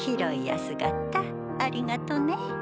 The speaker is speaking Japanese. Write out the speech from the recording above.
ありがとね。